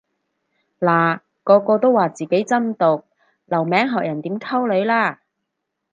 嗱個個都話自己真毒留名學人點溝女啦